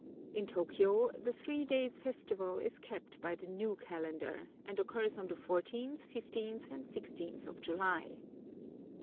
In Tōkyō, the three days' festival is kept by the new calendar, and occurs on the fourteenth, fifteenth, and sixteenth of July.